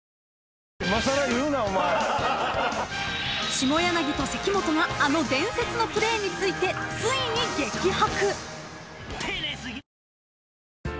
［下柳と関本があの伝説のプレーについてついに激白！］